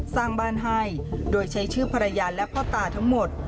สร้างบ้านให้โดยใช้ชื่อภรรยาและพ่อตาทั้งหมด